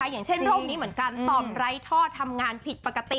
อย่างเช่นโรคนี้เหมือนกันตอบไร้ท่อทำงานผิดปกติ